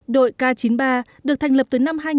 đội k chín mươi ba được thành lập từ năm hai nghìn